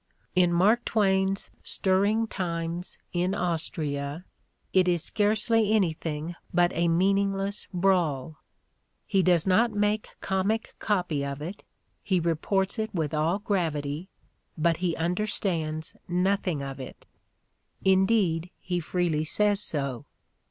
In Mark Twain's "Stirring Times in Austria" it is scarcely anything but a meaningless brawl. He does not make comic copy of it, he reports it with all gravity, but he understands nothing of it — ^indeed he freely says so.